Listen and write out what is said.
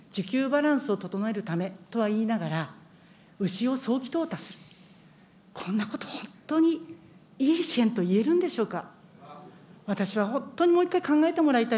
そういう中でですね、需給バランスを整えるためとはいいながら、牛を早期淘汰する、こんなこと、本当にいい支援といえるんでしょうか。